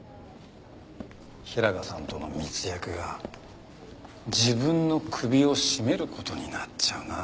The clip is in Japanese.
平賀さんとの密約が自分の首を絞める事になっちゃうなあ。